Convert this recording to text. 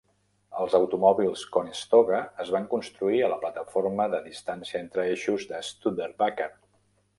Els automòbils Conestoga es van construir a la plataforma de distància entre eixos de Studerbaker.